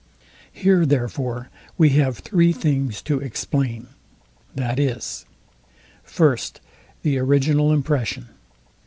Here therefore we have three things to explain, viz. First, The original impression.